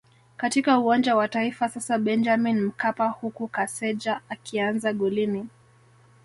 katika Uwanja wa Taifa sasa Benjamin Mkapa huku Kaseja akianza golini